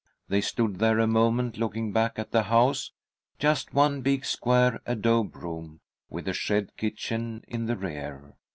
They stood there a moment, looking back at the house, just one big square adobe room, with a shed kitchen in the rear.